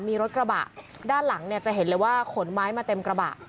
มีรถกระบะด้านหลังจะเห็นเลยว่า